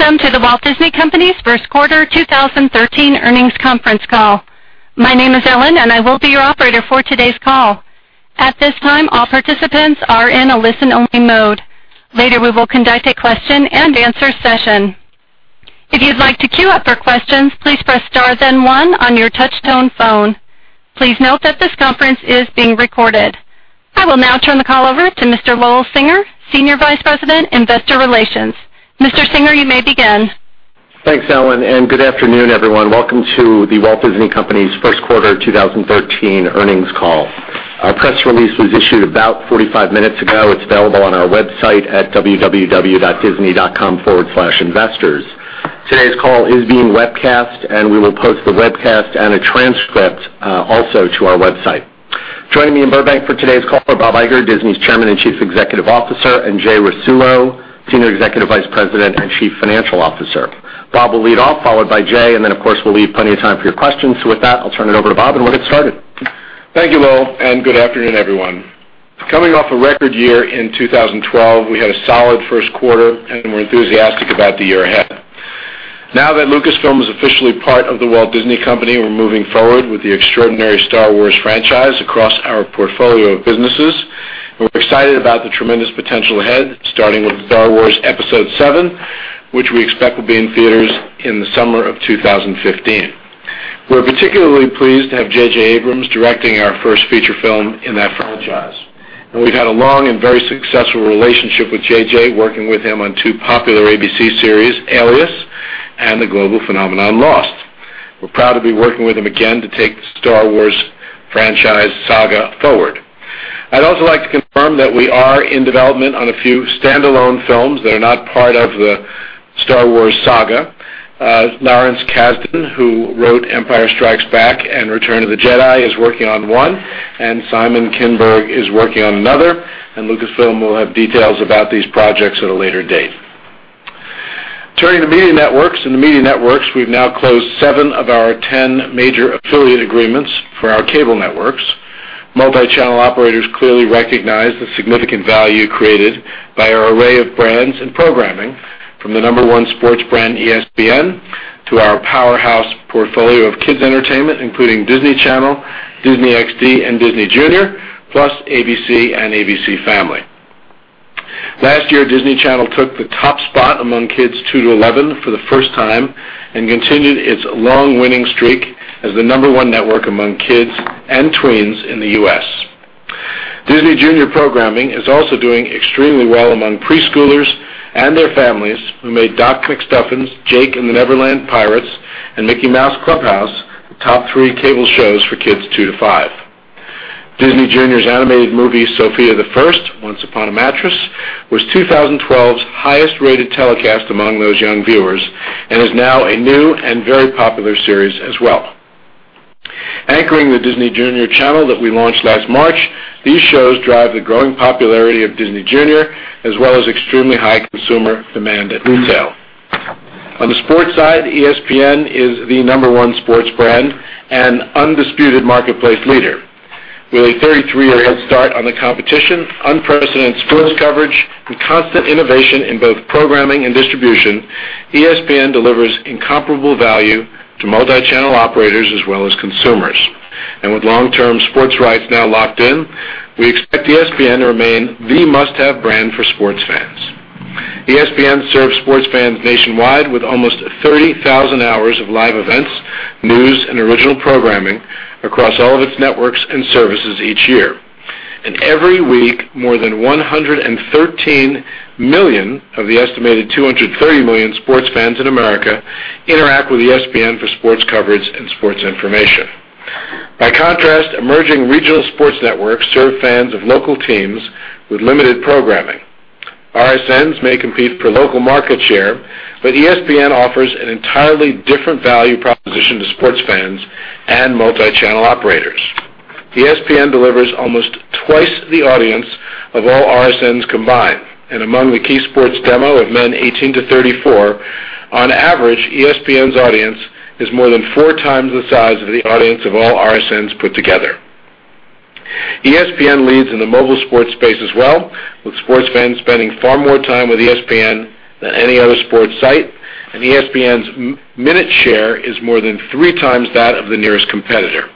Welcome to The Walt Disney Company's first quarter 2013 earnings conference call. My name is Ellen, and I will be your operator for today's call. At this time, all participants are in a listen-only mode. Later, we will conduct a question-and-answer session. If you'd like to queue up for questions, please press star then one on your touch-tone phone. Please note that this conference is being recorded. I will now turn the call over to Mr. Lowell Singer, Senior Vice President, Investor Relations. Mr. Singer, you may begin. Thanks, Ellen. Good afternoon, everyone. Welcome to The Walt Disney Company's first-quarter 2013 earnings call. Our press release was issued about 45 minutes ago. It's available on our website at www.disney.com/investors. Today's call is being webcast. We will post the webcast and a transcript also to our website. Joining me in Burbank for today's call are Bob Iger, Disney's Chairman and Chief Executive Officer, and Jay Rasulo, Senior Executive Vice President and Chief Financial Officer. Bob will lead off, followed by Jay. Then of course, we'll leave plenty of time for your questions. With that, I'll turn it over to Bob, and we'll get started. Thank you, Lowell. Good afternoon, everyone. Coming off a record year in 2012, we had a solid first quarter. We're enthusiastic about the year ahead. Now that Lucasfilm is officially part of The Walt Disney Company, we're moving forward with the extraordinary "Star Wars" franchise across our portfolio of businesses. We're excited about the tremendous potential ahead, starting with "Star Wars: Episode VII," which we expect will be in theaters in the summer of 2015. We're particularly pleased to have J.J. Abrams directing our first feature film in that franchise. Now, we've had a long and very successful relationship with J.J., working with him on two popular ABC series, "Alias" and the global phenomenon "Lost." We're proud to be working with him again to take the "Star Wars" franchise saga forward. I'd also like to confirm that we are in development on a few standalone films that are not part of the "Star Wars" saga. Lawrence Kasdan, who wrote "Empire Strikes Back" and "Return of the Jedi" is working on one. Simon Kinberg is working on another. Lucasfilm will have details about these projects at a later date. Turning to media networks. In the media networks, we've now closed seven of our 10 major affiliate agreements for our cable networks. Multi-channel operators clearly recognize the significant value created by our array of brands and programming, from the number one sports brand, ESPN, to our powerhouse portfolio of kids' entertainment, including Disney Channel, Disney XD, and Disney Junior, plus ABC and ABC Family. Last year, Disney Channel took the top spot among kids two to 11 for the first time and continued its long-winning streak as the number 1 network among kids and tweens in the U.S. Disney Junior programming is also doing extremely well among preschoolers and their families, who made "Doc McStuffins," "Jake and the Never Land Pirates," and "Mickey Mouse Clubhouse" the top three cable shows for kids two to five. Disney Junior's animated movie, "Sofia the First: Once Upon a Princess," was 2012's highest-rated telecast among those young viewers and is now a new and very popular series as well. Anchoring the Disney Junior channel that we launched last March, these shows drive the growing popularity of Disney Junior as well as extremely high consumer demand at retail. On the sports side, ESPN is the number 1 sports brand and undisputed marketplace leader. With a 33-year head start on the competition, unprecedented sports coverage, and constant innovation in both programming and distribution, ESPN delivers incomparable value to multi-channel operators as well as consumers. With long-term sports rights now locked in, we expect ESPN to remain the must-have brand for sports fans. ESPN serves sports fans nationwide with almost 30,000 hours of live events, news, and original programming across all of its networks and services each year. Every week, more than 113 million of the estimated 230 million sports fans in America interact with ESPN for sports coverage and sports information. By contrast, emerging Regional Sports Networks serve fans of local teams with limited programming. RSNs may compete for local market share, ESPN offers an entirely different value proposition to sports fans and multi-channel operators. ESPN delivers almost twice the audience of all RSNs combined, and among the key sports demo of men 18 to 34, on average, ESPN's audience is more than four times the size of the audience of all RSNs put together. ESPN leads in the mobile sports space as well, with sports fans spending far more time with ESPN than any other sports site, and ESPN's minute share is more than three times that of the nearest competitor.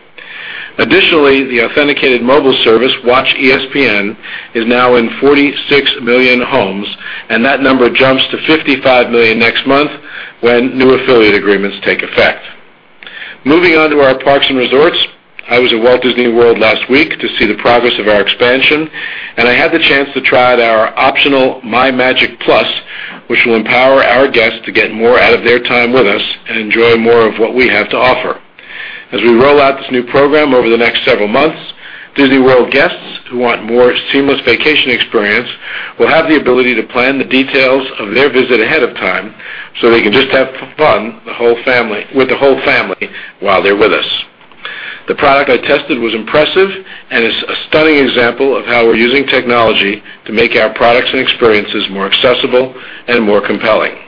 Additionally, the authenticated mobile service, WatchESPN, is now in 46 million homes, and that number jumps to 55 million next month when new affiliate agreements take effect. Moving on to our parks and resorts. I was at Walt Disney World last week to see the progress of our expansion, and I had the chance to try out our optional MyMagic+, which will empower our guests to get more out of their time with us and enjoy more of what we have to offer. As we roll out this new program over the next several months, Disney World guests who want more seamless vacation experience will have the ability to plan the details of their visit ahead of time so they can just have fun with the whole family while they're with us. The product I tested was impressive and is a stunning example of how we're using technology to make our products and experiences more accessible and more compelling.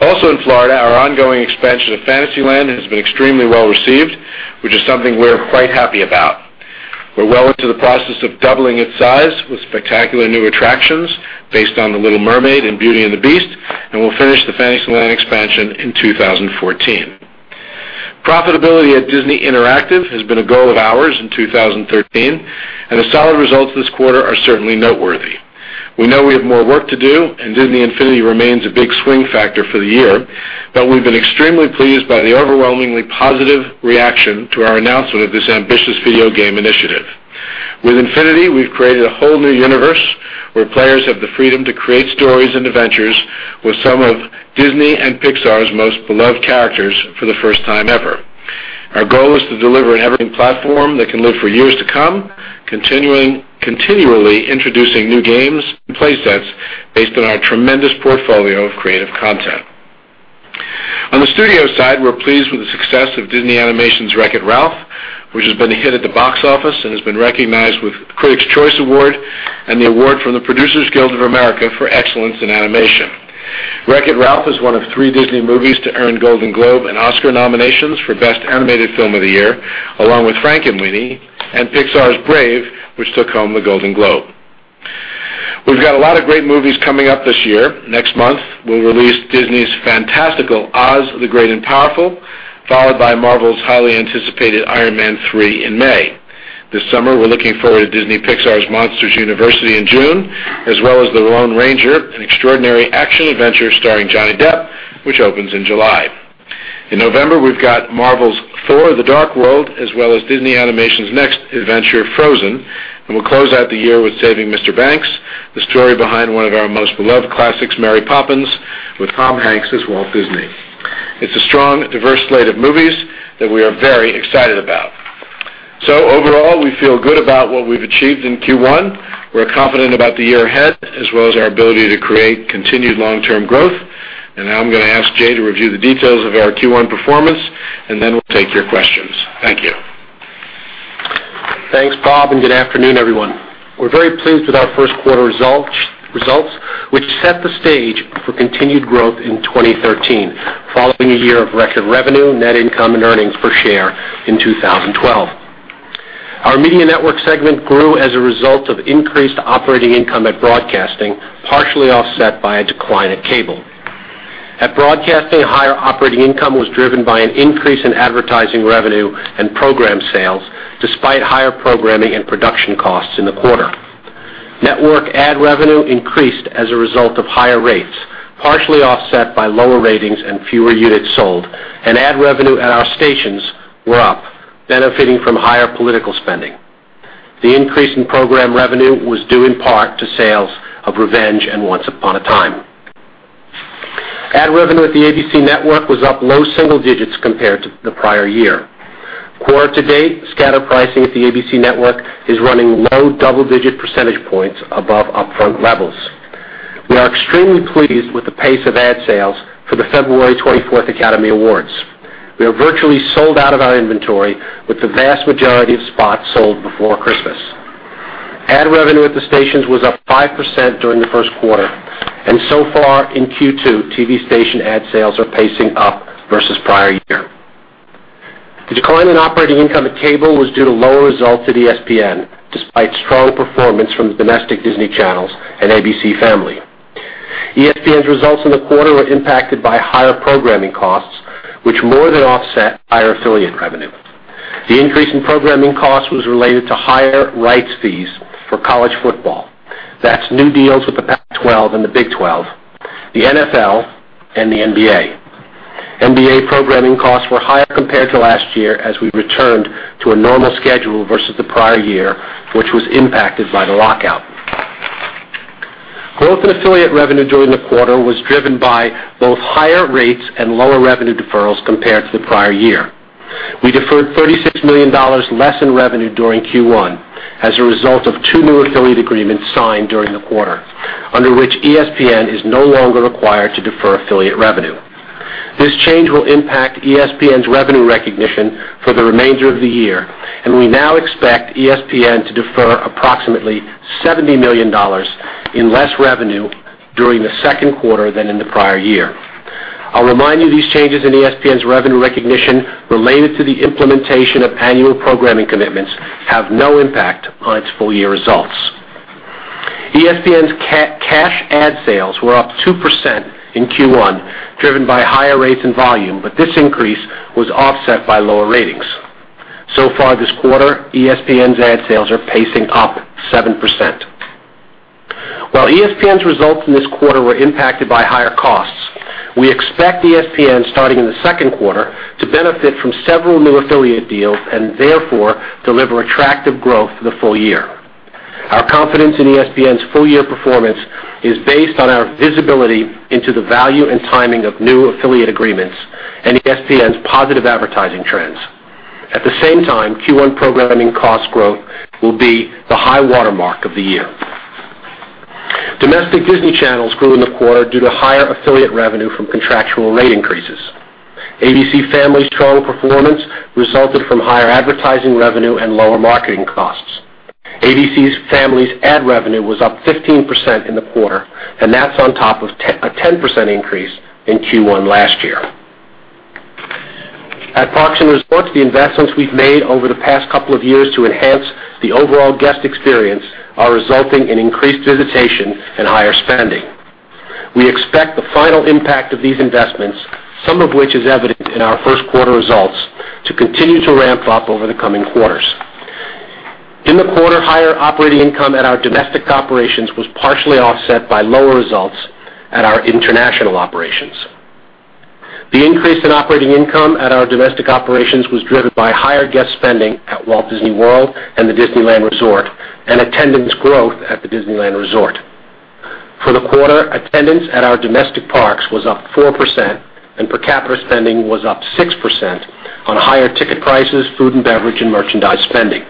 Also in Florida, our ongoing expansion of Fantasyland has been extremely well-received, which is something we're quite happy about. We're well into the process of doubling its size with spectacular new attractions based on "The Little Mermaid" and "Beauty and the Beast." We'll finish the Fantasyland expansion in 2014. Profitability at Disney Interactive has been a goal of ours in 2013, and the solid results this quarter are certainly noteworthy. We know we have more work to do, and Disney Infinity remains a big swing factor for the year. We've been extremely pleased by the overwhelmingly positive reaction to our announcement of this ambitious video game initiative. With Infinity, we've created a whole new universe where players have the freedom to create stories and adventures with some of Disney and Pixar's most beloved characters for the first time ever. Our goal is to deliver an evergreen platform that can live for years to come, continually introducing new games and play sets based on our tremendous portfolio of creative content. On the studio side, we're pleased with the success of Disney Animation's "Wreck-It Ralph," which has been a hit at the box office and has been recognized with the Critics' Choice Award and the award from the Producers Guild of America for excellence in animation. "Wreck-It Ralph" is one of three Disney movies to earn Golden Globe and Oscar nominations for best animated film of the year, along with "Frankenweenie" and Pixar's "Brave," which took home the Golden Globe. We've got a lot of great movies coming up this year. Next month, we'll release Disney's fantastical, "Oz the Great and Powerful," followed by Marvel's highly anticipated "Iron Man 3" in May. This summer, we're looking forward to Disney Pixar's "Monsters University" in June, as well as "The Lone Ranger," an extraordinary action-adventure starring Johnny Depp, which opens in July. In November, we've got Marvel's "Thor: The Dark World," as well as Disney Animation's next adventure, "Frozen." We'll close out the year with "Saving Mr. Banks," the story behind one of our most beloved classics, "Mary Poppins" with Tom Hanks as Walt Disney. It's a strong, diverse slate of movies that we are very excited about. Overall, we feel good about what we've achieved in Q1. We're confident about the year ahead, as well as our ability to create continued long-term growth. Now I'm going to ask Jay to review the details of our Q1 performance, and then we'll take your questions. Thank you. Thanks, Bob. Good afternoon, everyone. We're very pleased with our first quarter results, which set the stage for continued growth in 2013, following a year of record revenue, net income, and earnings per share in 2012. Our Media Networks segment grew as a result of increased operating income at broadcasting, partially offset by a decline at cable. At broadcasting, higher operating income was driven by an increase in advertising revenue and program sales, despite higher programming and production costs in the quarter. Network ad revenue increased as a result of higher rates, partially offset by lower ratings and fewer units sold. Ad revenue at our stations were up, benefiting from higher political spending. The increase in program revenue was due in part to sales of "Revenge" and "Once Upon a Time." Ad revenue at the ABC Network was up low single digits compared to the prior year. Quarter to date, scatter pricing at the ABC is running low double-digit percentage points above upfront levels. We are extremely pleased with the pace of ad sales for the February 24th Academy Awards. We are virtually sold out of our inventory with the vast majority of spots sold before Christmas. Ad revenue at the stations was up 5% during the first quarter, and so far in Q2, TV station ad sales are pacing up versus prior year. The decline in operating income at cable was due to lower results at ESPN, despite strong performance from the domestic Disney channels and ABC Family. ESPN's results in the quarter were impacted by higher programming costs, which more than offset higher affiliate revenue. The increase in programming costs was related to higher rights fees for college football. That's new deals with the Pac-12 and the Big 12, the NFL, and the NBA. NBA programming costs were higher compared to last year as we returned to a normal schedule versus the prior year, which was impacted by the lockout. Growth in affiliate revenue during the quarter was driven by both higher rates and lower revenue deferrals compared to the prior year. We deferred $36 million less in revenue during Q1 as a result of two new affiliate agreements signed during the quarter, under which ESPN is no longer required to defer affiliate revenue. This change will impact ESPN's revenue recognition for the remainder of the year, and we now expect ESPN to defer approximately $70 million in less revenue during the second quarter than in the prior year. I'll remind you, these changes in ESPN's revenue recognition related to the implementation of annual programming commitments have no impact on its full-year results. ESPN's cash ad sales were up 2% in Q1, driven by higher rates and volume. This increase was offset by lower ratings. So far this quarter, ESPN's ad sales are pacing up 7%. While ESPN's results in this quarter were impacted by higher costs, we expect ESPN starting in the second quarter to benefit from several new affiliate deals and therefore deliver attractive growth for the full year. Our confidence in ESPN's full-year performance is based on our visibility into the value and timing of new affiliate agreements and ESPN's positive advertising trends. At the same time, Q1 programming cost growth will be the high-water mark of the year. Domestic Disney channels grew in the quarter due to higher affiliate revenue from contractual rate increases. ABC Family's strong performance resulted from higher advertising revenue and lower marketing costs. ABC Family's ad revenue was up 15% in the quarter. That's on top of a 10% increase in Q1 last year. At Parks and Resorts, the investments we've made over the past couple of years to enhance the overall guest experience are resulting in increased visitation and higher spending. We expect the final impact of these investments, some of which is evident in our first quarter results, to continue to ramp up over the coming quarters. In the quarter, higher operating income at our domestic operations was partially offset by lower results at our international operations. The increase in operating income at our domestic operations was driven by higher guest spending at Walt Disney World and the Disneyland Resort and attendance growth at the Disneyland Resort. For the quarter, attendance at our domestic parks was up 4% and per capita spending was up 6% on higher ticket prices, food and beverage, and merchandise spending.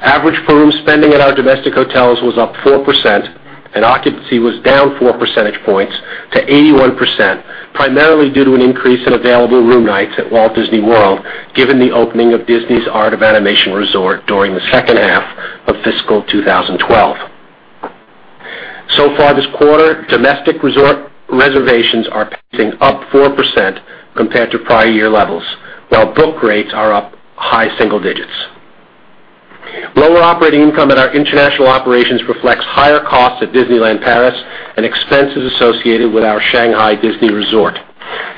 Average per room spending at our domestic hotels was up 4% and occupancy was down four percentage points to 81%, primarily due to an increase in available room nights at Walt Disney World, given the opening of Disney's Art of Animation Resort during the second half of fiscal 2012. So far this quarter, domestic resort reservations are pacing up 4% compared to prior year levels, while book rates are up high single digits. Lower operating income at our international operations reflects higher costs at Disneyland Paris and expenses associated with our Shanghai Disney Resort,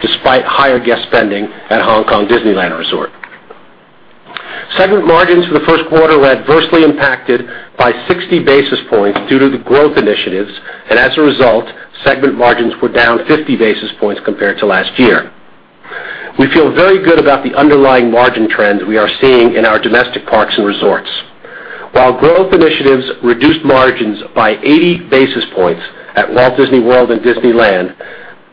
despite higher guest spending at Hong Kong Disneyland Resort. Segment margins for the first quarter were adversely impacted by 60 basis points due to the growth initiatives, and as a result, segment margins were down 50 basis points compared to last year. We feel very good about the underlying margin trends we are seeing in our domestic parks and resorts. While growth initiatives reduced margins by 80 basis points at Walt Disney World and Disneyland,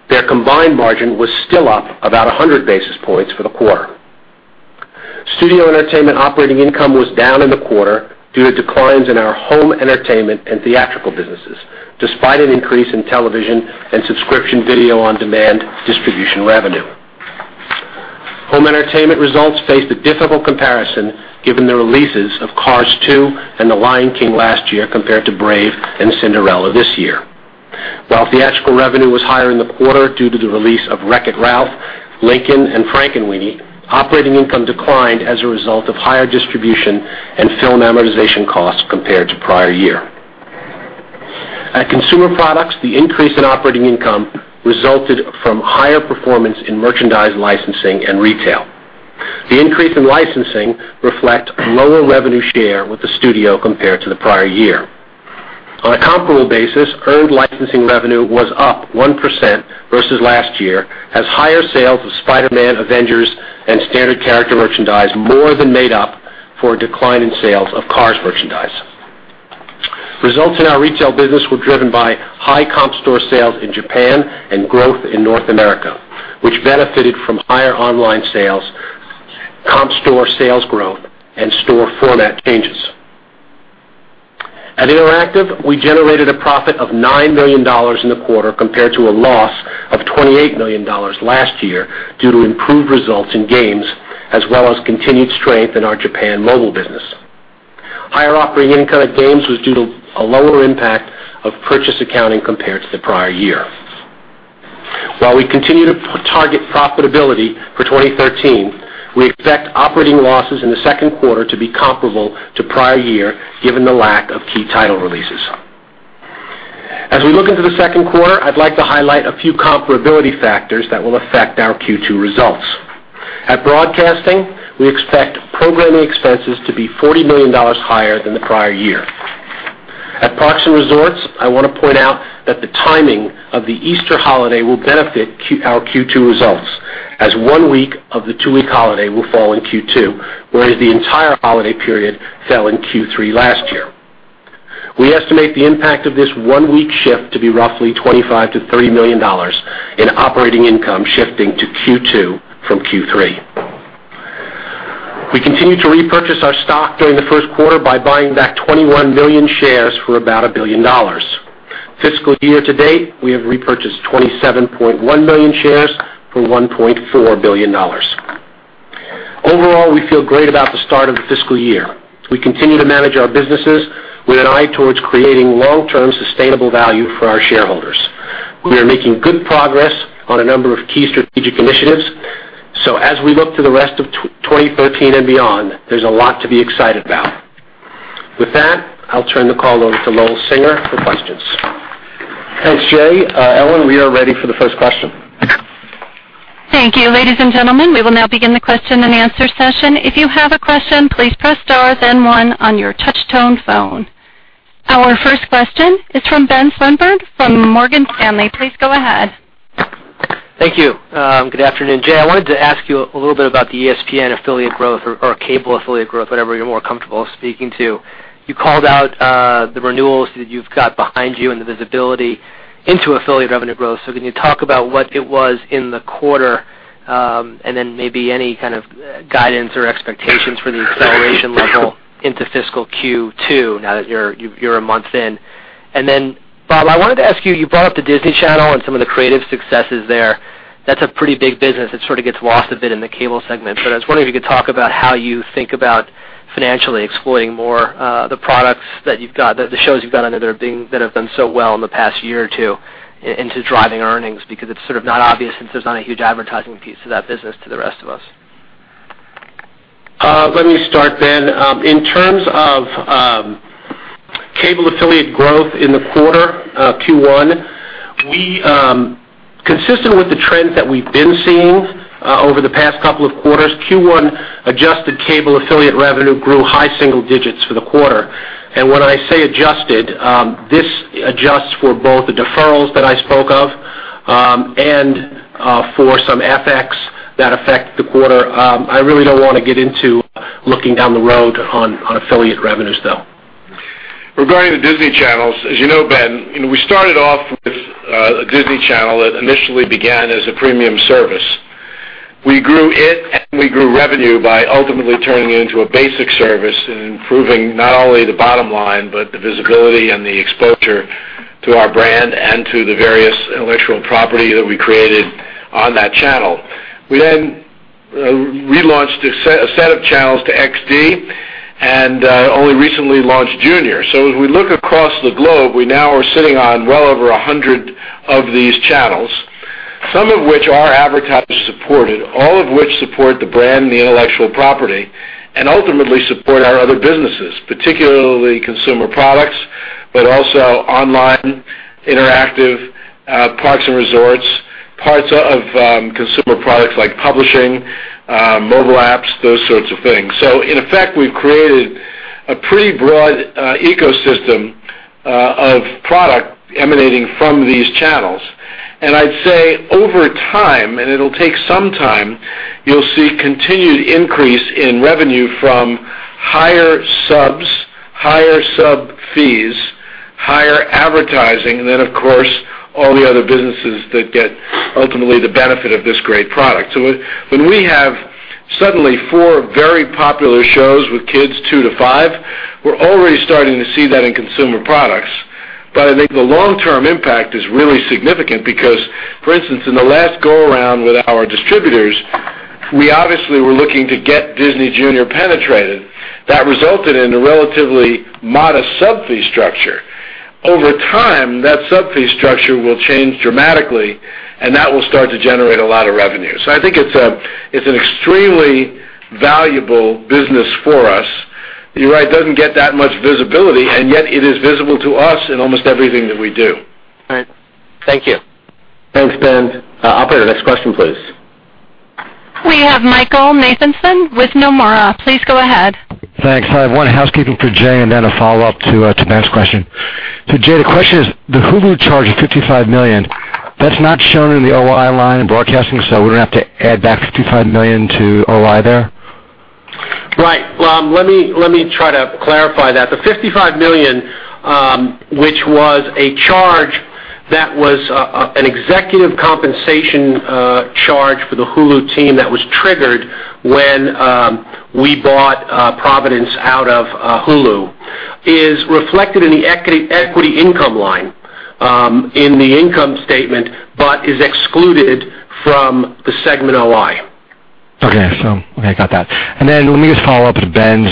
their combined margin was still up about 100 basis points for the quarter. Studio entertainment operating income was down in the quarter due to declines in our home entertainment and theatrical businesses, despite an increase in television and subscription video-on-demand distribution revenue. Home entertainment results faced a difficult comparison given the releases of "Cars 2" and "The Lion King" last year compared to "Brave" and "Cinderella" this year. While theatrical revenue was higher in the quarter due to the release of "Wreck-It Ralph," "Lincoln" and "Frankenweenie," operating income declined as a result of higher distribution and film amortization costs compared to prior year. At Consumer Products, the increase in operating income resulted from higher performance in merchandise licensing and retail. The increase in licensing reflect lower revenue share with the studio compared to the prior year. On a comparable basis, earned licensing revenue was up 1% versus last year as higher sales of "Spider-Man," "Avengers" and standard character merchandise more than made up for a decline in sales of "Cars" merchandise. Results in our retail business were driven by high comp store sales in Japan and growth in North America, which benefited from higher online sales, comp store sales growth, and store format changes. At Interactive, we generated a profit of $9 million in the quarter compared to a loss of $28 million last year due to improved results in games as well as continued strength in our Japan mobile business. Higher operating income at games was due to a lower impact of purchase accounting compared to the prior year. While we continue to target profitability for 2013, we expect operating losses in the second quarter to be comparable to prior year, given the lack of key title releases. As we look into the second quarter, I'd like to highlight a few comparability factors that will affect our Q2 results. At Broadcasting, we expect programming expenses to be $40 million higher than the prior year. At Parks and Resorts, I want to point out that the timing of the Easter holiday will benefit our Q2 results as one week of the two-week holiday will fall in Q2, whereas the entire holiday period fell in Q3 last year. We estimate the impact of this one-week shift to be roughly $25 million-$30 million in operating income shifting to Q2 from Q3. We continued to repurchase our stock during the first quarter by buying back 21 million shares for about $1 billion. Fiscal year to date, we have repurchased 27.1 million shares for $1.4 billion. Overall, we feel great about the start of the fiscal year. We continue to manage our businesses with an eye towards creating long-term sustainable value for our shareholders. We are making good progress on a number of key strategic initiatives. As we look to the rest of 2013 and beyond, there's a lot to be excited about. With that, I'll turn the call over to Lowell Singer for questions. Thanks, Jay. Ellen, we are ready for the first question. Thank you. Ladies and gentlemen, we will now begin the question and answer session. If you have a question, please press star then one on your touch tone phone. Our first question is from Benjamin Swinburne from Morgan Stanley. Please go ahead. Thank you. Good afternoon. Jay, I wanted to ask you a little bit about the ESPN affiliate growth or cable affiliate growth, whatever you're more comfortable speaking to. You called out the renewals that you've got behind you and the visibility into affiliate revenue growth. Can you talk about what it was in the quarter and then maybe any kind of guidance or expectations for the acceleration level into fiscal Q2 now that you're a month in? Then Bob, I wanted to ask you brought up the Disney Channel and some of the creative successes there. That's a pretty big business that sort of gets lost a bit in the cable segment. I was wondering if you could talk about how you think about financially exploiting more the products that you've got, the shows you've got under there that have done so well in the past year or two into driving earnings, because it's sort of not obvious since there's not a huge advertising piece to that business, to the rest of us. Let me start then. In terms of cable affiliate growth in the quarter, Q1, consistent with the trends that we've been seeing over the past couple of quarters, Q1 adjusted cable affiliate revenue grew high single digits for the quarter. When I say adjusted, this adjusts for both the deferrals that I spoke of and for some FX that affect the quarter. I really don't want to get into looking down the road on affiliate revenues, though. Regarding the Disney channels, as you know, Ben, we started off with a Disney Channel that initially began as a premium service. We grew it, we grew revenue by ultimately turning it into a basic service and improving not only the bottom line but the visibility and the exposure to our brand and to the various intellectual property that we created on that channel. We then relaunched a set of channels to XD and only recently launched Junior. As we look across the globe, we now are sitting on well over 100 of these channels. Some of which are advertiser supported, all of which support the brand and the intellectual property, ultimately support our other businesses, particularly consumer products, but also online interactive parks and resorts, parts of consumer products like publishing, mobile apps, those sorts of things. In effect, we've created a pretty broad ecosystem of product emanating from these channels. I'd say over time, and it'll take some time, you'll see continued increase in revenue from higher subs, higher sub fees, higher advertising, and then, of course, all the other businesses that get ultimately the benefit of this great product. When we have suddenly four very popular shows with kids two to five, we're already starting to see that in consumer products. I think the long-term impact is really significant because, for instance, in the last go-around with our distributors, we obviously were looking to get Disney Junior penetrated. That resulted in a relatively modest sub-fee structure. Over time, that sub-fee structure will change dramatically, and that will start to generate a lot of revenue. I think it's an extremely valuable business for us. You're right, it doesn't get that much visibility, and yet it is visible to us in almost everything that we do. All right. Thank you. Thanks, Ben. Operator, next question, please. We have Michael Nathanson with Nomura. Please go ahead. Thanks. I have one housekeeping for Jay and then a follow-up to Ben's question. Jay, the question is, the Hulu charge of $55 million, that's not shown in the OI line in broadcasting? We're going to have to add back $55 million to OI there? Right. Let me try to clarify that. The $55 million, which was a charge that was an executive compensation charge for the Hulu team that was triggered when we bought Providence out of Hulu, is reflected in the equity income line in the income statement but is excluded from the segment OI. Okay, got that. Then let me just follow up with Ben.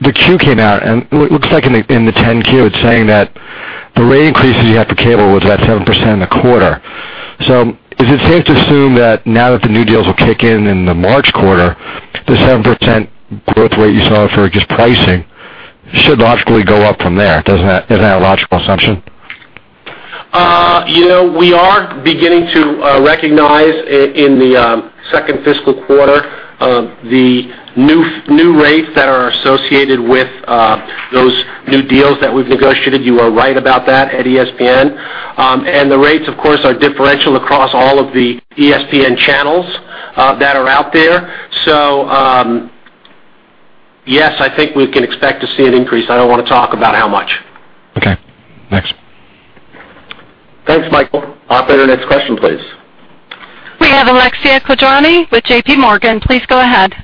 The Q came out, and it looks like in the 10-Q, it's saying that the rate increases you had for cable was about 7% in the quarter. Is it safe to assume that now that the new deals will kick in in the March quarter, the 7% growth rate you saw for just pricing should logically go up from there? Isn't that a logical assumption? We are beginning to recognize in the second fiscal quarter the new rates that are associated with those new deals that we've negotiated, you are right about that, at ESPN. The rates, of course, are differential across all of the ESPN channels that are out there. Yes, I think we can expect to see an increase. I don't want to talk about how much. Okay. Thanks. Thanks, Michael. Operator, next question, please. We have Alexia Quadrani with JPMorgan. Please go ahead.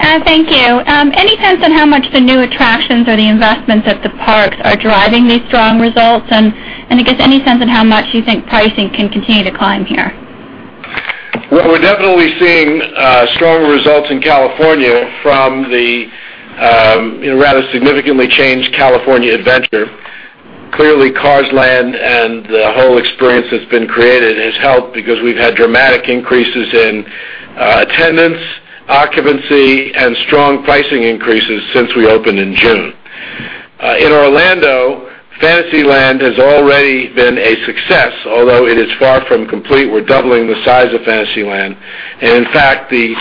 Thank you. Any sense on how much the new attractions or the investments at the parks are driving these strong results? I guess any sense on how much you think pricing can continue to climb here? Well, we're definitely seeing stronger results in California from the rather significantly changed California Adventure. Clearly, Cars Land and the whole experience that's been created has helped because we've had dramatic increases in attendance, occupancy, and strong pricing increases since we opened in June. In Orlando, Fantasyland has already been a success, although it is far from complete. We're doubling the size of Fantasyland. In fact, the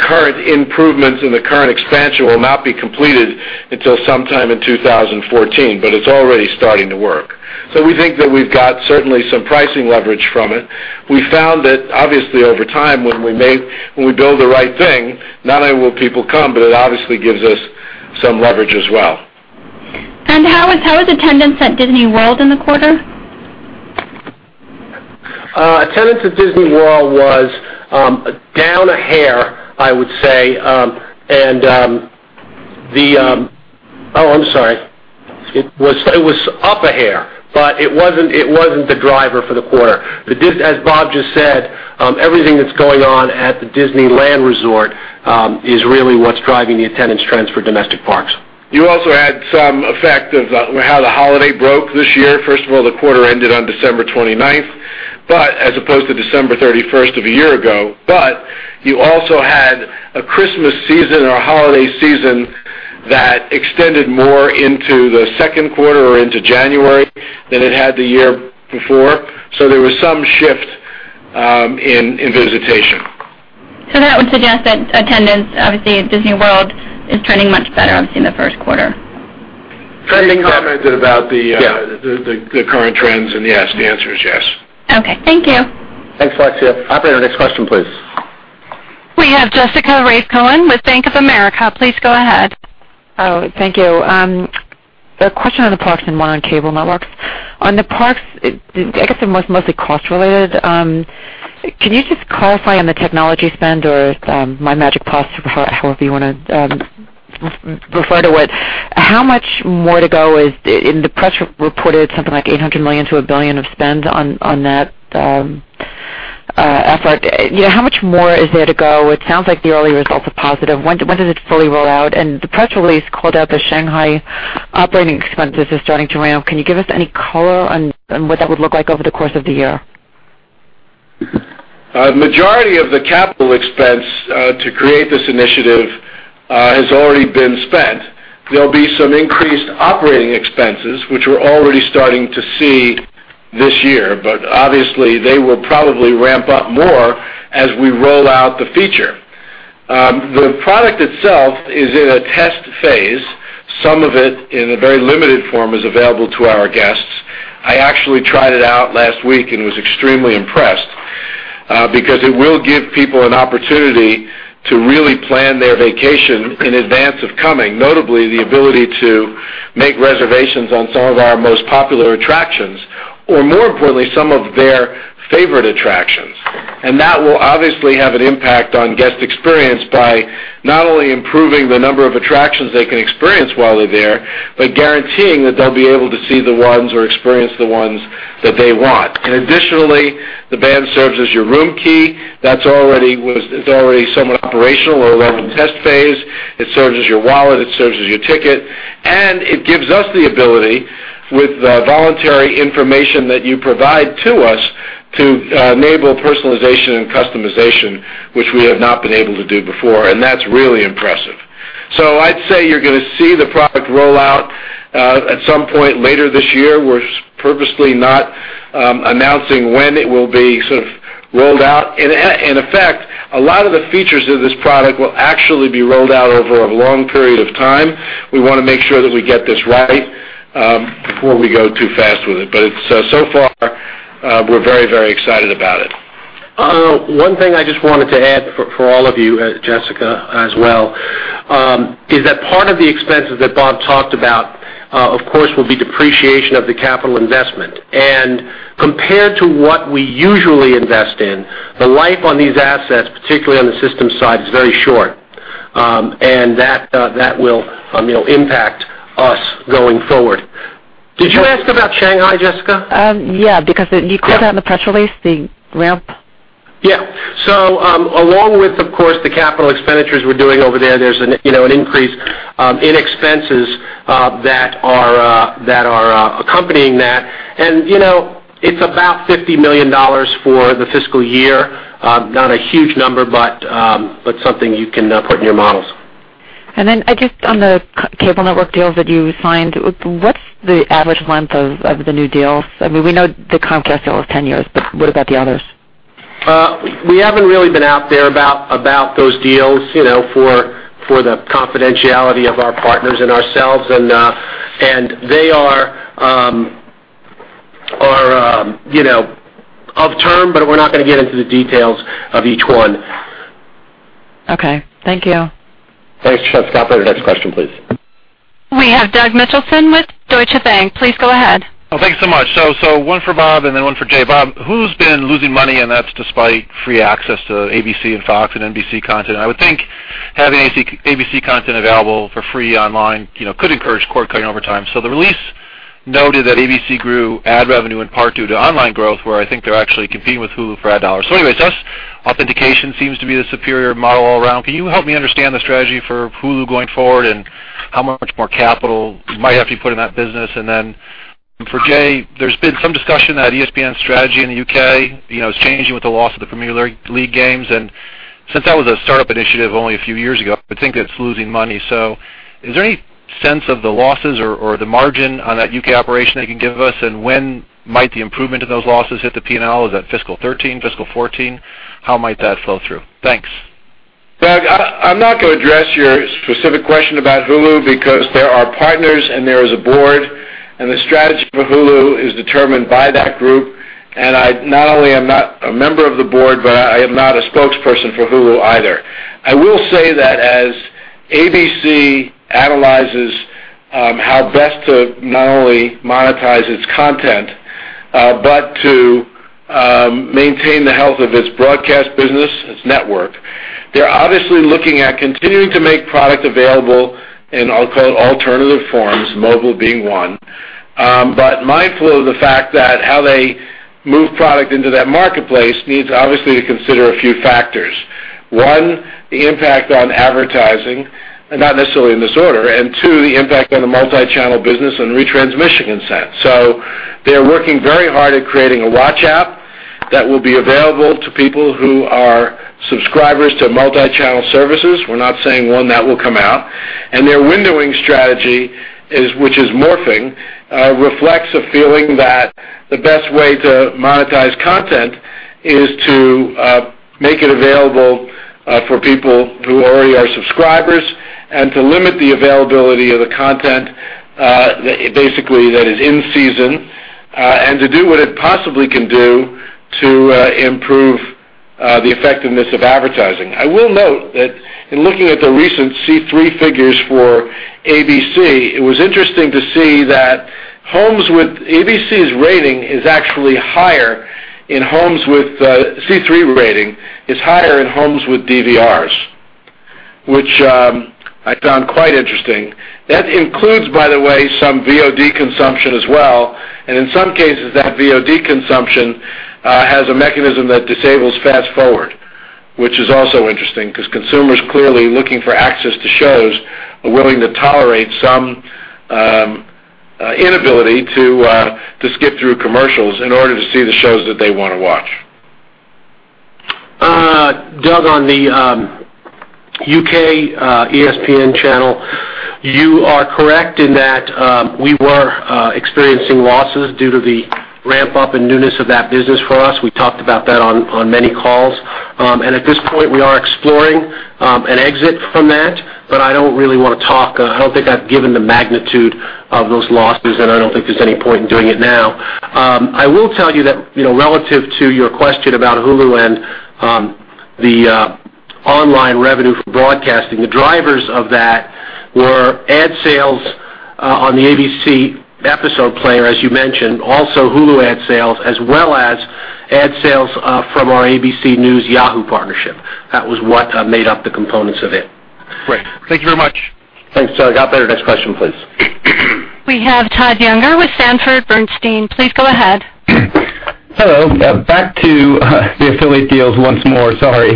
current improvements and the current expansion will not be completed until sometime in 2014, but it's already starting to work. We think that we've got certainly some pricing leverage from it. We found that obviously over time, when we build the right thing, not only will people come, but it obviously gives us some leverage as well. How is attendance at Disney World in the quarter? Attendance at Disney World was down a hair, I would say. I'm sorry It was up a hair, but it wasn't the driver for the quarter. As Bob just said, everything that's going on at the Disneyland Resort is really what's driving the attendance trends for domestic parks. You also had some effect of how the holiday broke this year. First of all, the quarter ended on December 29th, but as opposed to December 31st of a year ago, but you also had a Christmas season or a holiday season that extended more into the second quarter or into January than it had the year before. There was some shift in visitation. That would suggest that attendance, obviously at Disney World is trending much better, obviously, in the first quarter. Trending- Jay commented about the current trends and yes, the answer is yes. Okay. Thank you. Thanks, Alexia. Operator, next question, please. We have Jessica Reif Cohen with Bank of America. Please go ahead. Oh, thank you. A question on the parks and one on cable networks. On the parks, I guess they're mostly cost related. Can you just clarify on the technology spend or MyMagic+ or however you want to refer to it, how much more to go is In the press reported something like $800 million-$1 billion of spend on that effort. How much more is there to go? It sounds like the early results are positive. When does it fully roll out? The press release called out the Shanghai operating expenses as starting to ramp. Can you give us any color on what that would look like over the course of the year? A majority of the capital expense to create this initiative has already been spent. There'll be some increased operating expenses, which we're already starting to see this year, obviously they will probably ramp up more as we roll out the feature. The product itself is in a test phase. Some of it in a very limited form is available to our guests. I actually tried it out last week and was extremely impressed, because it will give people an opportunity to really plan their vacation in advance of coming. Notably, the ability to make reservations on some of our most popular attractions, or more importantly, some of their favorite attractions. That will obviously have an impact on guest experience by not only improving the number of attractions they can experience while they're there, but guaranteeing that they'll be able to see the ones or experience the ones that they want. Additionally, the band serves as your room key. That's already somewhat operational or we're in the test phase. It serves as your wallet, it serves as your ticket, it gives us the ability, with voluntary information that you provide to us, to enable personalization and customization, which we have not been able to do before, that's really impressive. I'd say you're going to see the product roll out at some point later this year. We're purposely not announcing when it will be sort of rolled out. In effect, a lot of the features of this product will actually be rolled out over a long period of time. We want to make sure that we get this right before we go too fast with it. So far, we're very excited about it. One thing I just wanted to add for all of you, Jessica as well, is that part of the expenses that Bob talked about, of course, will be depreciation of the capital investment. Compared to what we usually invest in, the life on these assets, particularly on the system side, is very short. That will impact us going forward. Did you ask about Shanghai, Jessica? Yeah, because you called out in the press release the ramp. Yeah. Along with, of course, the capital expenditures we're doing over there's an increase in expenses that are accompanying that. It's about $50 million for the fiscal year. Not a huge number, but something you can put in your models. I guess on the cable network deals that you signed, what's the average length of the new deals? We know the Comcast deal was 10 years, but what about the others? We haven't really been out there about those deals for the confidentiality of our partners and ourselves. They are of term, but we're not going to get into the details of each one. Okay. Thank you. Thanks, Jess. Operator, next question, please. We have Doug Mitchelson with Deutsche Bank. Please go ahead. Thanks so much. One for Bob and then one for Jay. Bob, Hulu's been losing money, and that's despite free access to ABC and Fox and NBC content. I would think having ABC content available for free online could encourage cord-cutting over time. The release noted that ABC grew ad revenue in part due to online growth, where I think they're actually competing with Hulu for ad dollars. Anyways, thus authentication seems to be the superior model all around. Can you help me understand the strategy for Hulu going forward and how much more capital might have to be put in that business? Then for Jay, there's been some discussion that ESPN's strategy in the U.K. is changing with the loss of the Premier League games. Since that was a startup initiative only a few years ago, I would think it's losing money. Is there any sense of the losses or the margin on that U.K. operation that you can give us? When might the improvement of those losses hit the P&L? Is that fiscal 2013, fiscal 2014? How might that flow through? Thanks. Doug, I'm not going to address your specific question about Hulu because there are partners and there is a board, and the strategy for Hulu is determined by that group, and I not only am not a member of the board, but I am not a spokesperson for Hulu either. I will say that as ABC analyzes how best to not only monetize its content to maintain the health of its broadcast business, its network, they're obviously looking at continuing to make product available in, I'll call it alternative forms, mobile being one. Mindful of the fact that how they move product into that marketplace needs obviously to consider a few factors. One, the impact on advertising, and not necessarily in this order, and two, the impact on the multi-channel business and retransmission consent. They're working very hard at creating a watch app that will be available to people who are subscribers to multi-channel services. We're not saying when that will come out. Their windowing strategy, which is morphing, reflects a feeling that the best way to monetize content is to make it available for people who already are subscribers and to limit the availability of the content basically that is in season, and to do what it possibly can do to improve the effectiveness of advertising. I will note that in looking at the recent C3 figures for ABC, it was interesting to see that ABC's rating is actually higher in homes with C3 rating is higher in homes with DVRs, which I found quite interesting. That includes, by the way, some VOD consumption as well. In some cases, that VOD consumption has a mechanism that disables fast forward, which is also interesting because consumers clearly looking for access to shows are willing to tolerate some inability to skip through commercials in order to see the shows that they want to watch. Doug, on the U.K. ESPN Channel, you are correct in that we were experiencing losses due to the ramp-up and newness of that business for us. We talked about that on many calls. At this point, we are exploring an exit from that, but I don't really want to talk. I don't think I've given the magnitude of those losses, and I don't think there's any point in doing it now. I will tell you that relative to your question about Hulu and the online revenue for broadcasting, the drivers of that were ad sales on the ABC episode player, as you mentioned, also Hulu ad sales, as well as ad sales from our ABC News Yahoo partnership. That was what made up the components of it. Great. Thank you very much. Thanks, Doug. Operator, next question, please. We have Todd Juenger with Sanford C. Bernstein. Please go ahead. Hello. Back to the affiliate deals once more, sorry.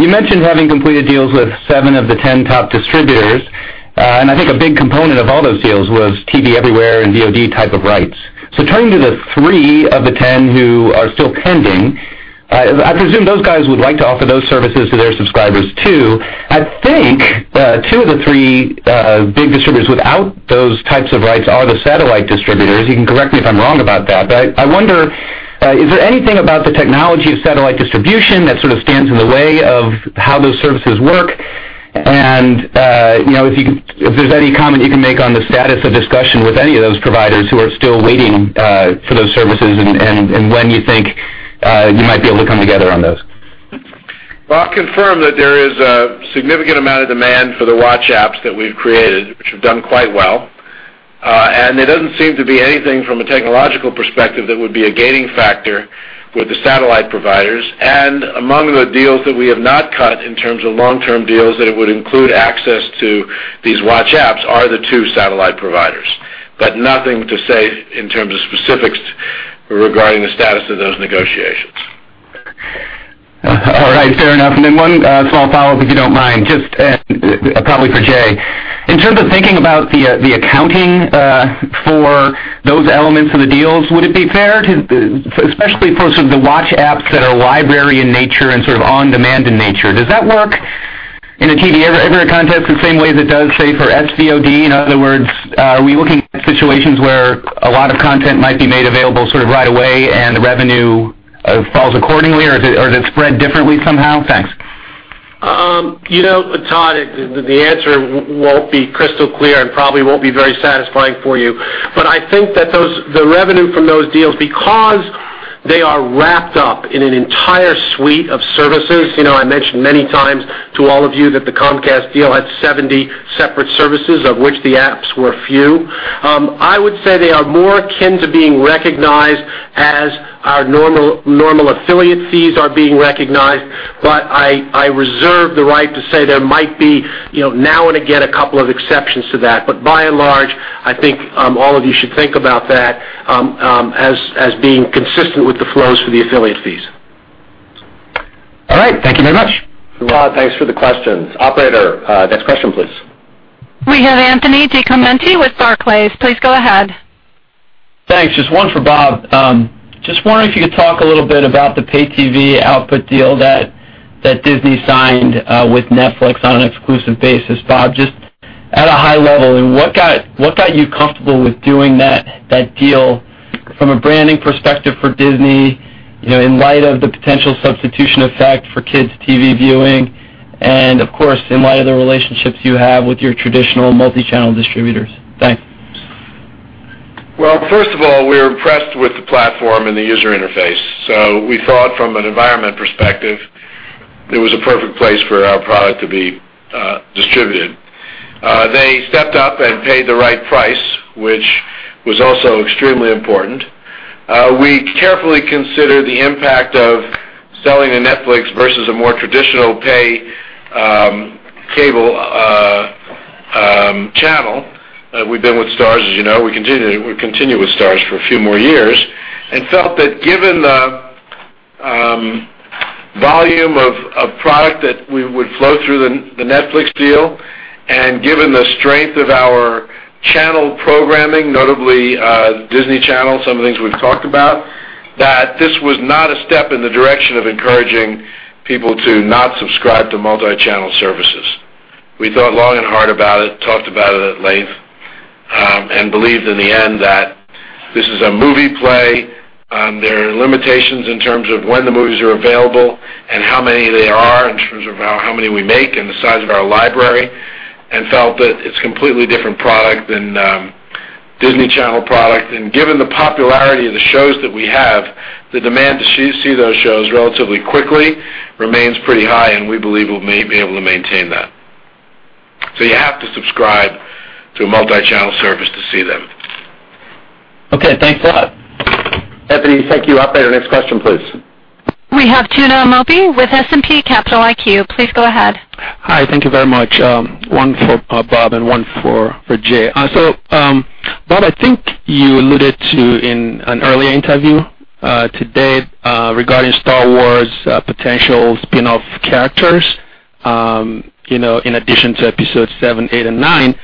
You mentioned having completed deals with seven of the 10 top distributors, and I think a big component of all those deals was TV Everywhere and VOD type of rights. Turning to the three of the 10 who are still pending, I presume those guys would like to offer those services to their subscribers too. I think two of the three big distributors without those types of rights are the satellite distributors. You can correct me if I'm wrong about that. I wonder, is there anything about the technology of satellite distribution that sort of stands in the way of how those services work? If there's any comment you can make on the status of discussion with any of those providers who are still waiting for those services and when you think you might be able to come together on those. Well, I'll confirm that there is a significant amount of demand for the watch apps that we've created, which have done quite well. There doesn't seem to be anything from a technological perspective that would be a gaining factor with the satellite providers. Among the deals that we have not cut in terms of long-term deals that it would include access to these watch apps are the two satellite providers. Nothing to say in terms of specifics regarding the status of those negotiations. All right, fair enough. One small follow-up, if you don't mind, just probably for Jay. In terms of thinking about the accounting for those elements of the deals, would it be fair to, especially for sort of the watch apps that are library in nature and sort of on-demand in nature, does that work in a TV Everywhere context the same way that it does, say, for SVOD? In other words, are we looking at situations where a lot of content might be made available sort of right away and the revenue falls accordingly or is it spread differently somehow? Thanks. Todd, the answer won't be crystal clear and probably won't be very satisfying for you. I think that the revenue from those deals, because they are wrapped up in an entire suite of services, I mentioned many times to all of you that the Comcast deal had 70 separate services, of which the apps were few. I would say they are more akin to being recognized as our normal affiliate fees are being recognized. I reserve the right to say there might be now and again a couple of exceptions to that. By and large, I think all of you should think about that as being consistent with the flows for the affiliate fees. All right. Thank you very much. Thanks for the questions. Operator, next question, please. We have Anthony DiClemente with Barclays. Please go ahead. Thanks. Just one for Bob. Just wondering if you could talk a little bit about the pay TV output deal that Disney signed with Netflix on an exclusive basis. Bob, just at a high level, what got you comfortable with doing that deal from a branding perspective for Disney in light of the potential substitution effect for kids' TV viewing and, of course, in light of the relationships you have with your traditional multi-channel distributors? Thanks. Well, first of all, we were impressed with the platform and the user interface. We thought from an environment perspective It was a perfect place for our product to be distributed. They stepped up and paid the right price, which was also extremely important. We carefully considered the impact of selling to Netflix versus a more traditional pay cable channel. We've been with Starz, as you know. We continue with Starz for a few more years and felt that given the volume of product that would flow through the Netflix deal and given the strength of our channel programming, notably Disney Channel, some of the things we've talked about, that this was not a step in the direction of encouraging people to not subscribe to multi-channel services. We thought long and hard about it, talked about it at length, and believed in the end that this is a movie play. There are limitations in terms of when the movies are available and how many there are in terms of how many we make and the size of our library, and felt that it's a completely different product than Disney Channel product. Given the popularity of the shows that we have, the demand to see those shows relatively quickly remains pretty high, and we believe we'll be able to maintain that. You have to subscribe to a multi-channel service to see them. Okay, thanks a lot. Anthony, thank you. Operator, next question, please. We have Tuna Amobi with S&P Capital IQ. Please go ahead. Hi. Thank you very much. One for Bob and one for Jay. Bob, I think you alluded to in an earlier interview today regarding Star Wars' potential spin-off characters, in addition to Episodes VII, VIII, and IX.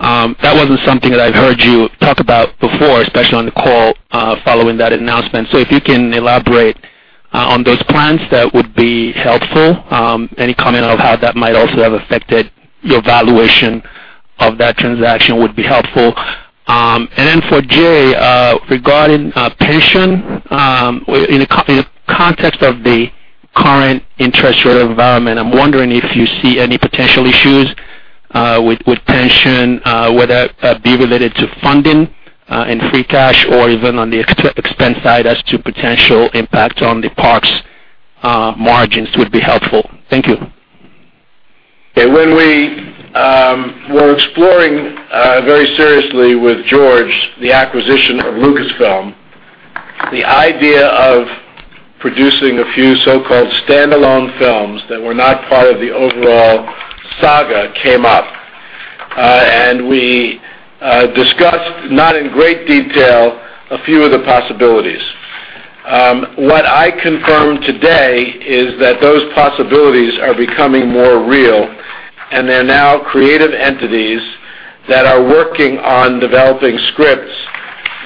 That wasn't something that I've heard you talk about before, especially on the call following that announcement. If you can elaborate on those plans, that would be helpful. Any comment on how that might also have affected your valuation of that transaction would be helpful. Then for Jay, regarding pension, in the context of the current interest rate environment, I'm wondering if you see any potential issues with pension, whether that be related to funding and free cash or even on the expense side as to potential impact on the parks margins would be helpful. Thank you. When we were exploring very seriously with George the acquisition of Lucasfilm, the idea of producing a few so-called standalone films that were not part of the overall saga came up. We discussed, not in great detail, a few of the possibilities. What I confirmed today is that those possibilities are becoming more real, There are now creative entities that are working on developing scripts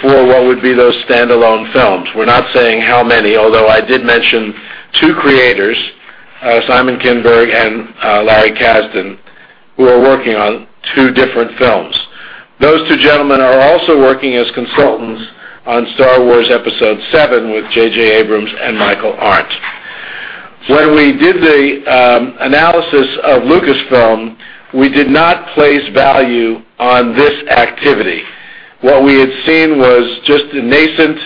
for what would be those standalone films. We're not saying how many, although I did mention two creators, Simon Kinberg and Larry Kasdan, who are working on two different films. Those two gentlemen are also working as consultants on Star Wars Episode VII with J.J. Abrams and Michael. When we did the analysis of Lucasfilm, we did not place value on this activity. What we had seen was just nascent,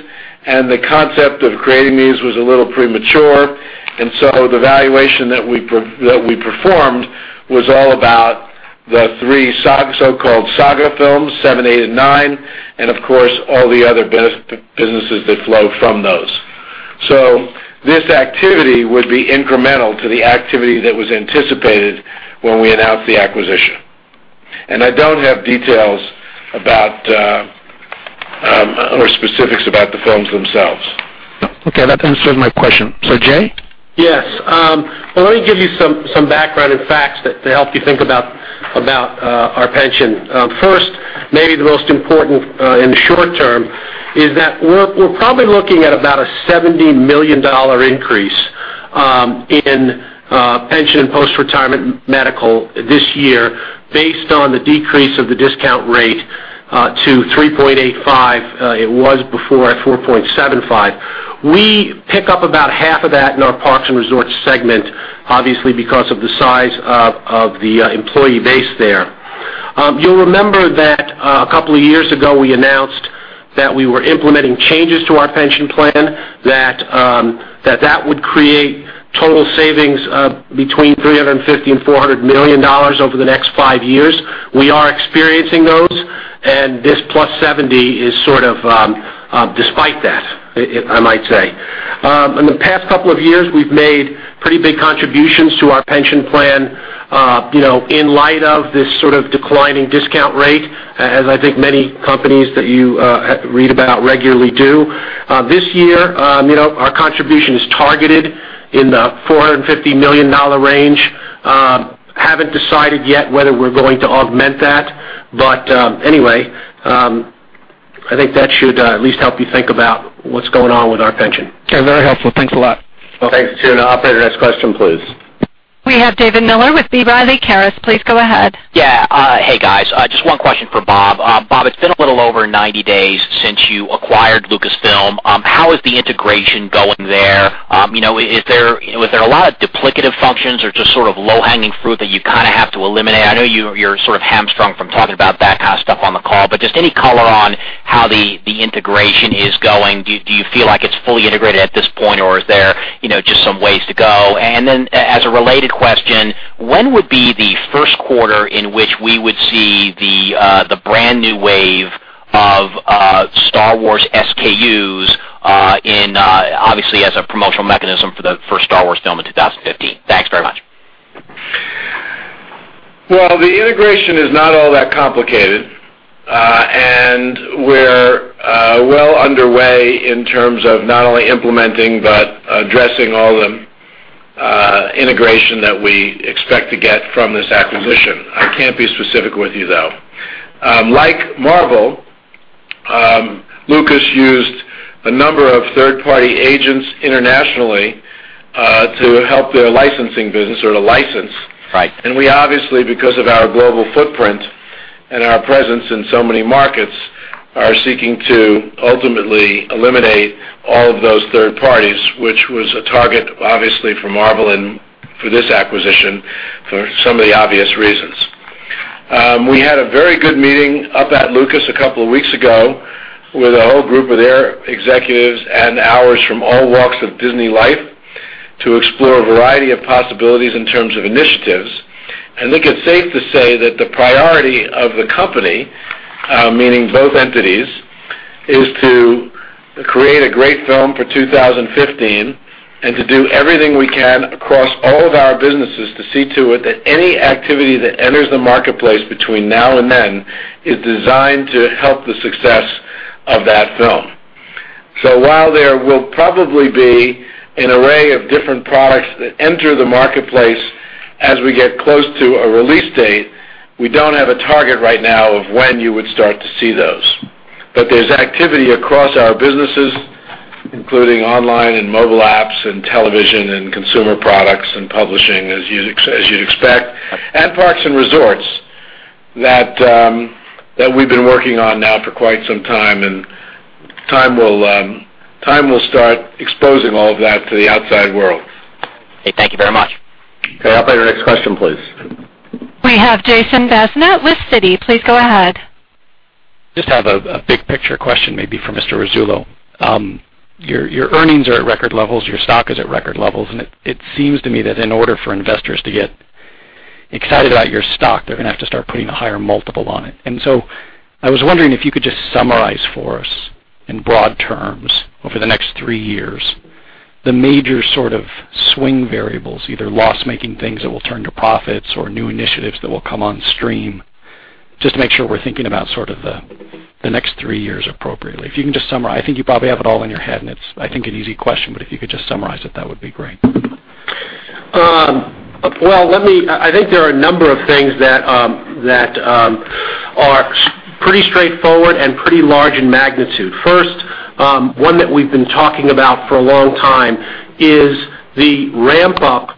the concept of creating these was a little premature, the valuation that we performed was all about the three so-called saga films, VII, VIII, and IX, and of course, all the other businesses that flow from those. This activity would be incremental to the activity that was anticipated when we announced the acquisition. I don't have details about or specifics about the films themselves. Okay. That answered my question. Jay? Yes. Let me give you some background and facts to help you think about our pension. First, maybe the most important in the short term is that we're probably looking at about a $70 million increase in pension and post-retirement medical this year based on the decrease of the discount rate to 3.85. It was before at 4.75. We pick up about half of that in our parks and resorts segment, obviously, because of the size of the employee base there. You'll remember that a couple of years ago, we announced that we were implementing changes to our pension plan, that would create total savings of between $350 million-$400 million over the next five years. We are experiencing those, and this plus 70 is sort of despite that, I might say. In the past couple of years, we've made pretty big contributions to our pension plan, in light of this sort of declining discount rate, as I think many companies that you read about regularly do. This year, our contribution is targeted in the $450 million range. Haven't decided yet whether we're going to augment that. Anyway, I think that should at least help you think about what's going on with our pension. Okay. Very helpful. Thanks a lot. Okay, Tuna. Operator, next question, please. We have David Miller with B. Riley Caris. Please go ahead. Hey, guys. Just one question for Bob. Bob, it's been a little over 90 days since you acquired Lucasfilm. How is the integration going there? Was there a lot of duplicative functions or just sort of low-hanging fruit that you kind of have to eliminate? I know you're sort of hamstrung from talking about that. Just any color on how the integration is going? Do you feel like it's fully integrated at this point, or is there just some ways to go? Then as a related question, when would be the first quarter in which we would see the brand-new wave of Star Wars SKUs, obviously as a promotional mechanism for Star Wars film in 2015? Thanks very much. Well, the integration is not all that complicated. We're well underway in terms of not only implementing but addressing all the integration that we expect to get from this acquisition. I can't be specific with you, though. Like Marvel, Lucas used a number of third-party agents internationally to help their licensing business or to license. Right. We obviously, because of our global footprint and our presence in so many markets, are seeking to ultimately eliminate all of those third parties, which was a target, obviously, for Marvel and for this acquisition for some of the obvious reasons. We had a very good meeting up at Lucas a couple of weeks ago with a whole group of their executives and ours from all walks of Disney life to explore a variety of possibilities in terms of initiatives. I think it's safe to say that the priority of the company, meaning both entities, is to create a great film for 2015 and to do everything we can across all of our businesses to see to it that any activity that enters the marketplace between now and then is designed to help the success of that film. While there will probably be an array of different products that enter the marketplace as we get close to a release date, we don't have a target right now of when you would start to see those. There's activity across our businesses, including online and mobile apps and television and consumer products and publishing, as you'd expect, and parks and resorts that we've been working on now for quite some time, and time will start exposing all of that to the outside world. Okay. Thank you very much. Okay, operator, next question, please. We have Jason Bazinet with Citi. Please go ahead. Just have a big-picture question maybe for Mr. Rasulo. Your earnings are at record levels, your stock is at record levels, it seems to me that in order for investors to get excited about your stock, they're going to have to start putting a higher multiple on it. I was wondering if you could just summarize for us in broad terms over the next three years, the major sort of swing variables, either loss-making things that will turn to profits or new initiatives that will come on stream. Just to make sure we're thinking about sort of the next three years appropriately. If you can just summarize. It's, I think, an easy question, but if you could just summarize it, that would be great. Well, I think there are a number of things that are pretty straightforward and pretty large in magnitude. First, one that we've been talking about for a long time is the ramp-up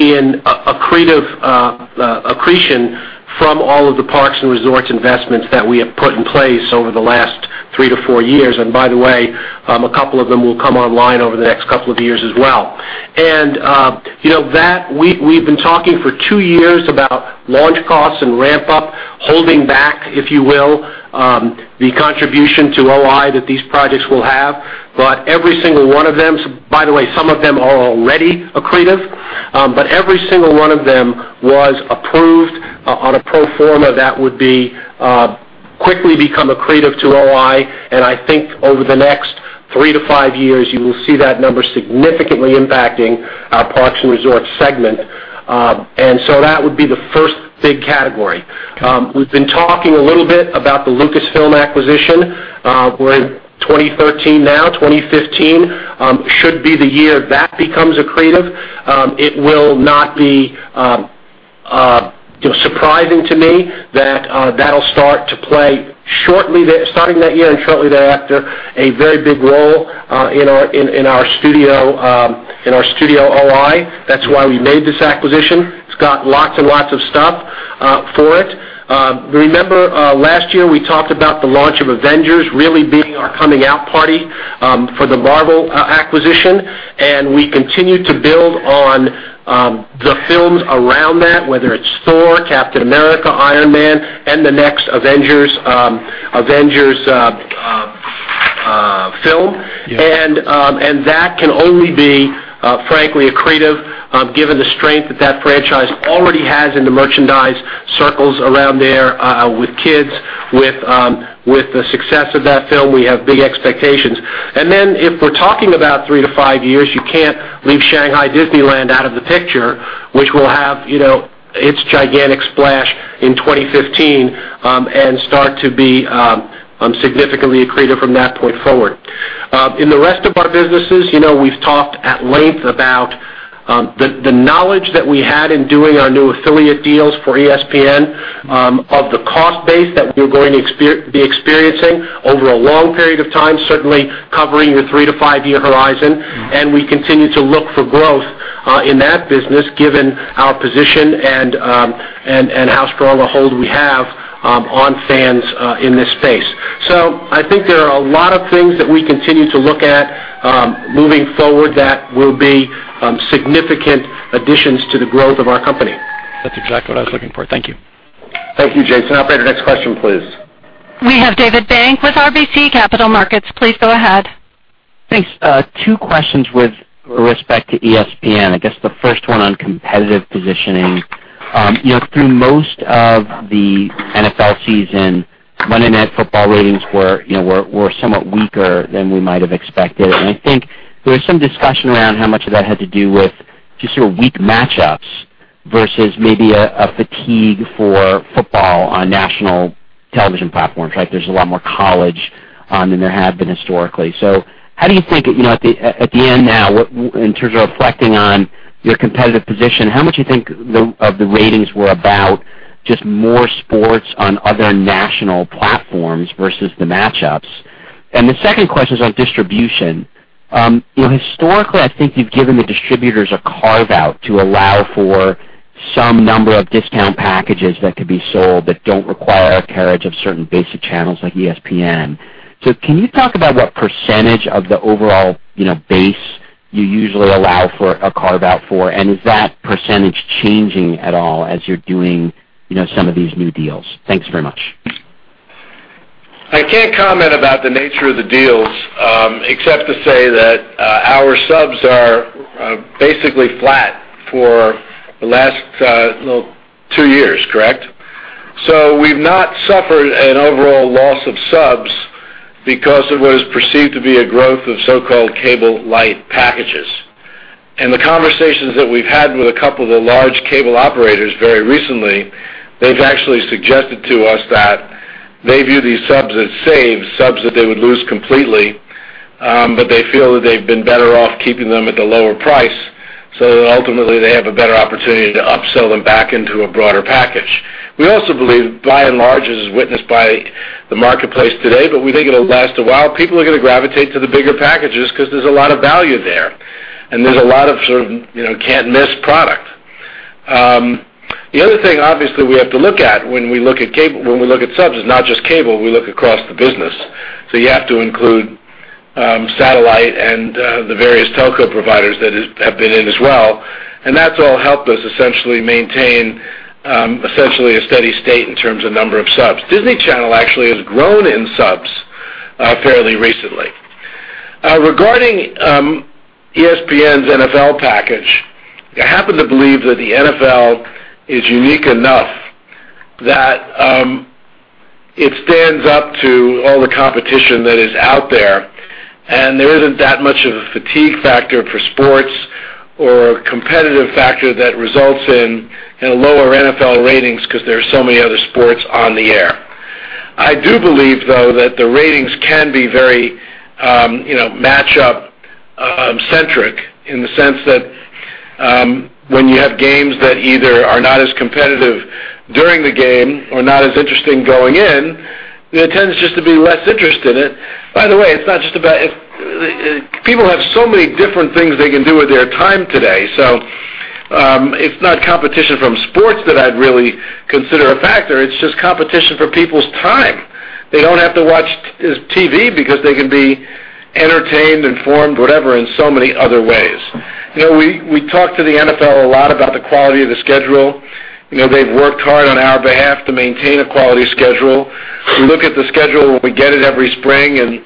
in accretive accretion from all of the parks and resorts investments that we have put in place over the last three to four years. By the way, a couple of them will come online over the next couple of years as well. We've been talking for two years about launch costs and ramp-up, holding back, if you will, the contribution to OI that these projects will have. By the way, some of them are already accretive, but every single one of them was approved on a pro forma that would quickly become accretive to OI. I think over the next 3 to 5 years, you will see that number significantly impacting our Parks and Resorts segment. That would be the first big category. We've been talking a little bit about the Lucasfilm acquisition. We're in 2013 now. 2015 should be the year that becomes accretive. It will not be surprising to me that that'll start to play starting that year and shortly thereafter, a very big role in our studio OI. That's why we made this acquisition. It's got lots and lots of stuff for it. Remember, last year we talked about the launch of "Avengers" really being our coming out party for the Marvel acquisition, and we continue to build on the films around that, whether it's "Thor," "Captain America," "Iron Man," and the next Avengers film. That can only be, frankly, accretive given the strength that franchise already has in the merchandise circles around there with kids. With the success of that film, we have big expectations. If we're talking about 3 to 5 years, you can't leave Shanghai Disneyland out of the picture, which will have its gigantic splash in 2015 and start to be significantly accretive from that point forward. In the rest of our businesses, we've talked at length about the knowledge that we had in doing our new affiliate deals for ESPN of the cost base that we're going to be experiencing over a long period of time, certainly covering the 3 to 5-year horizon. We continue to look for growth in that business given our position and how strong a hold we have on fans in this space. I think there are a lot of things that we continue to look at moving forward that will be significant additions to the growth of our company. That's exactly what I was looking for. Thank you. Thank you, Jason. Operator, next question, please. We have David Bank with RBC Capital Markets. Please go ahead. Thanks. Two questions with respect to ESPN. I guess the first one on competitive positioning. Through most of the NFL season, Monday Night Football ratings were somewhat weaker than we might have expected. I think there was some discussion around how much of that had to do with just sort of weak match-ups versus maybe a fatigue for football on national television platforms. There's a lot more college than there have been historically. How do you think at the end now, in terms of reflecting on your competitive position, how much do you think of the ratings were about just more sports on other national platforms versus the match-ups? The second question is on distribution. Historically, I think you've given the distributors a carve-out to allow for some number of discount packages that could be sold that don't require a carriage of certain basic channels like ESPN. Can you talk about what percentage of the overall base you usually allow for a carve-out for? Is that percentage changing at all as you're doing some of these new deals? Thanks very much. I can't comment about the nature of the deals except to say that our subs are basically flat for the last two years. Correct? We've not suffered an overall loss of subs because of what is perceived to be a growth of so-called cable light packages. The conversations that we've had with a couple of the large cable operators very recently, they've actually suggested to us that they view these subs as saved subs that they would lose completely, but they feel that they've been better off keeping them at the lower price so that ultimately they have a better opportunity to upsell them back into a broader package. We also believe by and large, as is witnessed by the marketplace today, but we think it'll last a while. People are going to gravitate to the bigger packages because there's a lot of value there, and there's a lot of can't miss product. The other thing obviously we have to look at when we look at subs is not just cable, we look across the business. You have to include satellite and the various telco providers that have been in as well. That's all helped us essentially maintain essentially a steady state in terms of number of subs. Disney Channel actually has grown in subs fairly recently. Regarding ESPN's NFL package, I happen to believe that the NFL is unique enough that it stands up to all the competition that is out there, and there isn't that much of a fatigue factor for sports or competitive factor that results in lower NFL ratings because there are so many other sports on the air. I do believe, though, that the ratings can be very match-up centric in the sense that when you have games that either are not as competitive during the game or not as interesting going in, there tends just to be less interest in it. By the way, people have so many different things they can do with their time today. It's not competition from sports that I'd really consider a factor. It's just competition for people's time. They don't have to watch TV because they can be entertained, informed, whatever, in so many other ways. We talk to the NFL a lot about the quality of the schedule. They've worked hard on our behalf to maintain a quality schedule. We look at the schedule when we get it every spring and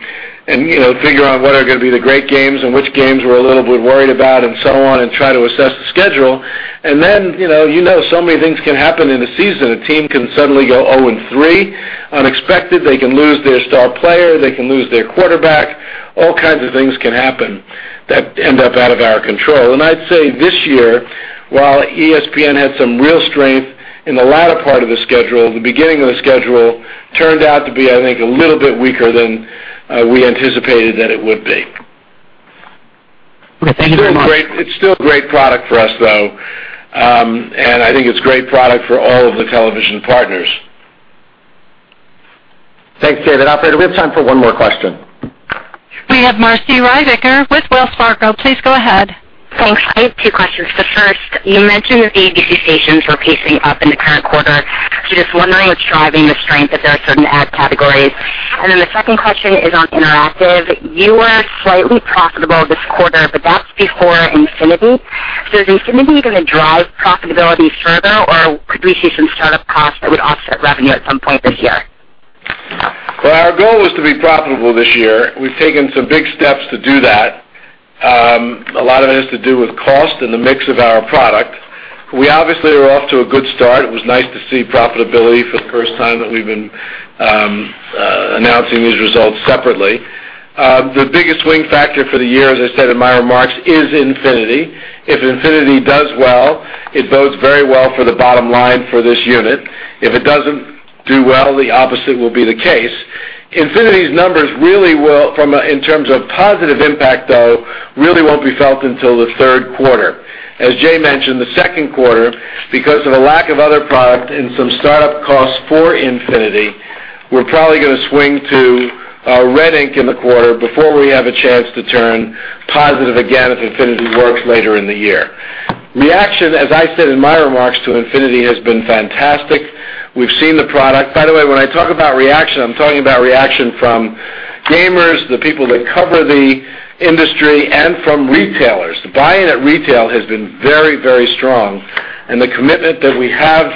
figure out what are going to be the great games and which games we're a little bit worried about and so on, and try to assess the schedule. Then you know so many things can happen in a season. A team can suddenly go 0 and three unexpected. They can lose their star player. They can lose their quarterback. All kinds of things can happen that end up out of our control. I'd say this year, while ESPN had some real strength in the latter part of the schedule, the beginning of the schedule turned out to be, I think, a little bit weaker than we anticipated that it would be. Thank you very much. It's still a great product for us, though, and I think it's a great product for all of the television partners. Thanks, David. Operator, do we have time for one more question? We have Marci Ryvicker with Wells Fargo. Please go ahead. Thanks. I have two questions. The first, you mentioned the ABC stations were pacing up in the current quarter. Just wondering what's driving the strength, if there are certain ad categories. The second question is on interactive. You were slightly profitable this quarter, but that's before Infinity. Is Infinity going to drive profitability further, or could we see some startup costs that would offset revenue at some point this year? Well, our goal is to be profitable this year. We've taken some big steps to do that. A lot of it has to do with cost and the mix of our product. We obviously are off to a good start. It was nice to see profitability for the first time that we've been announcing these results separately. The biggest swing factor for the year, as I said in my remarks, is Infinity. If Infinity does well, it bodes very well for the bottom line for this unit. If it doesn't do well, the opposite will be the case. Infinity's numbers, in terms of positive impact though, really won't be felt until the third quarter. As Jay mentioned, the second quarter, because of a lack of other product and some startup costs for Infinity, we're probably going to swing to red ink in the quarter before we have a chance to turn positive again if Infinity works later in the year. Reaction, as I said in my remarks to Infinity, has been fantastic. We've seen the product. By the way, when I talk about reaction, I'm talking about reaction from gamers, the people that cover the industry, and from retailers. The buy-in at retail has been very, very strong, and the commitment that we have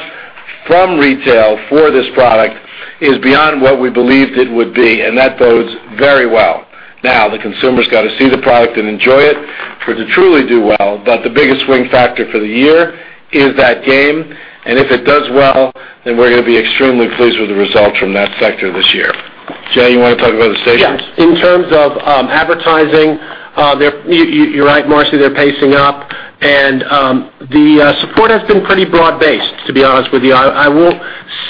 from retail for this product is beyond what we believed it would be, and that bodes very well. Now, the consumer's got to see the product and enjoy it for it to truly do well. The biggest swing factor for the year is that game, if it does well, we're going to be extremely pleased with the results from that sector this year. Jay, you want to talk about the stations? Yes. In terms of advertising, you're right, Marci, they're pacing up, the support has been pretty broad-based, to be honest with you. I won't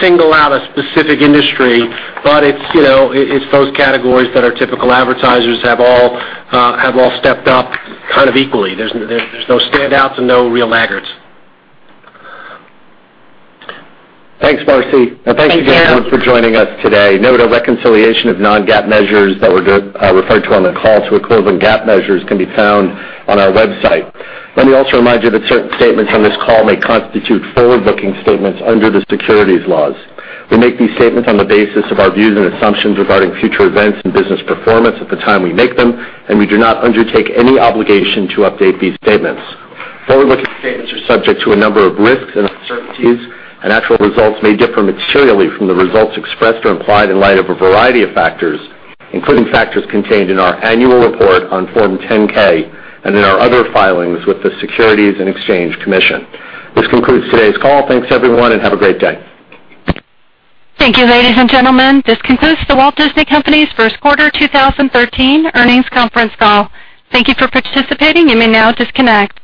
single out a specific industry, but it's those categories that our typical advertisers have all stepped up kind of equally. There's no standouts and no real laggards. Thanks, Marci. Thank you. Thank you again for joining us today. Note a reconciliation of non-GAAP measures that were referred to on the call to equivalent GAAP measures can be found on our website. Let me also remind you that certain statements on this call may constitute forward-looking statements under the securities laws. We make these statements on the basis of our views and assumptions regarding future events and business performance at the time we make them, and we do not undertake any obligation to update these statements. Forward-looking statements are subject to a number of risks and uncertainties, and actual results may differ materially from the results expressed or implied in light of a variety of factors, including factors contained in our annual report on Form 10-K and in our other filings with the Securities and Exchange Commission. This concludes today's call. Thanks, everyone, and have a great day. Thank you, ladies and gentlemen. This concludes The Walt Disney Company's first quarter 2013 earnings conference call. Thank you for participating. You may now disconnect.